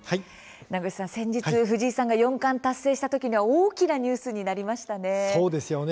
名越さん、先日、藤井さんが四冠達成したときはニュースになりましたね。